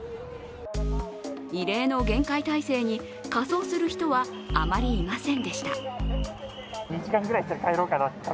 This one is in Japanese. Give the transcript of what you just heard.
異例の厳戒態勢に、仮装する人はあまりいませんでした。